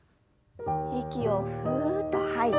息をふっと吐いて。